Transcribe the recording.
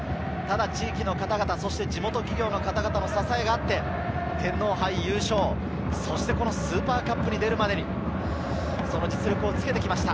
地域の方々、地元企業の方々の支えがあって、天皇杯優勝、そしてＳＵＰＥＲＣＵＰに出るまでに実力をつけてきました。